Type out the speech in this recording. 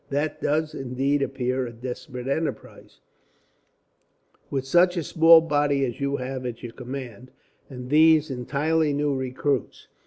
"That does indeed appear a desperate enterprise, with such a small body as you have at your command, and these, entirely new recruits.